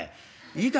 いいか？